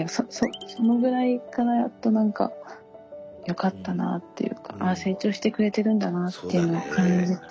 そのぐらいからやっと何かよかったなというかああ成長してくれてるんだなっていうのを感じて。